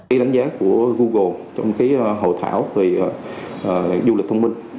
ý đánh giá của google trong cái hội thảo về du lịch thông minh